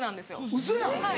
ウソやん！